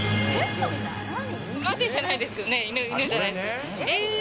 待てじゃないですけどね、犬じゃないですけど。